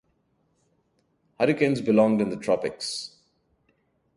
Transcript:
Hurricanes belonged in the tropics.